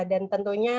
dan tentu saja